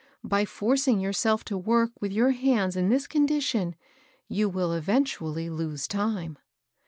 By forc ing yourself to work with your hands in this con dition, you will eventually lose time."